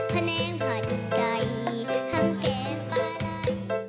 พะแนงผัดไก่หางเกงปลาลัด